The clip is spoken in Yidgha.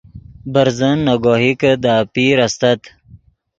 برزن نے گوہکے دے اپیر استت